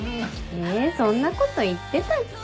えそんなこと言ってたっけ？